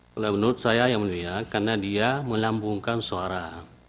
kalau menurut saya yang mulia karena dia melambungkan suara